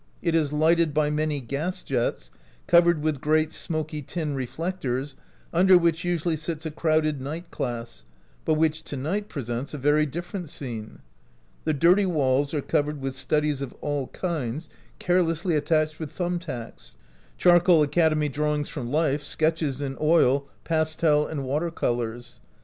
It is lighted by many gas jets, covered with great, smoky tin re flectors, under which usually sits a crowded night class, but which to night presents a very different scene. The dirty walls are covered with studies of all kinds, carelessly attached with thumb tacks — charcoal acad emy drawings from life, sketches in oil, pas tel, and water colors.